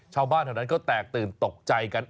ชาวบ้านแถวนั้นก็แตกตื่นตกใจกัน